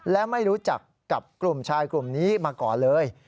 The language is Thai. และไม่รู้จักกับกลุ่มชายกลุ่มนี้มาก่อนเลย